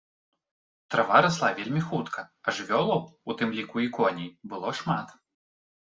Трава расла вельмі хутка, а жывёлаў, у тым ліку і коней, было шмат.